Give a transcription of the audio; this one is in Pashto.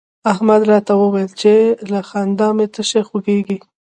احمد راته وويل چې له خندا مې تشي خوږېږي.